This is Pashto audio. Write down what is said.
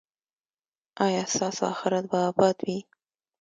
ایا ستاسو اخرت به اباد وي؟